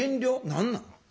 何なん？